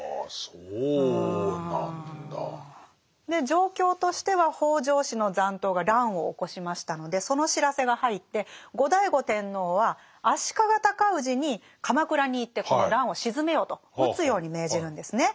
状況としては北条氏の残党が乱を起こしましたのでその知らせが入って後醍醐天皇は足利高氏に鎌倉に行ってこの乱を鎮めよと討つように命じるんですね。